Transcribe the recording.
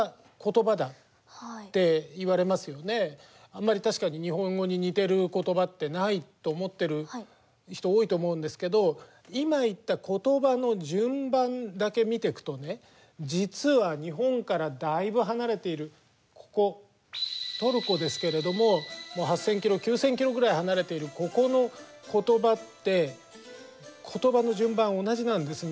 あんまり確かに日本語に似ていることばってないと思っている人多いと思うんですけど今言ったことばの順番だけ見てくとね実は日本からだいぶ離れているここトルコですけれどももう８，０００ｋｍ９，０００ｋｍぐらい離れているここのことばってことばの順番同じなんです。